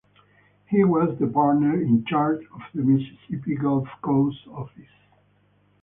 He was the Partner in Charge of the Mississippi Gulf Coast office.